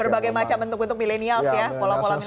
berbagai macam bentuk bentuk milenials ya pola pola milenials